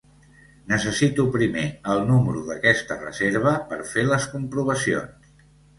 Necessito primer el número d'aquesta reserva per fer les comprovacions.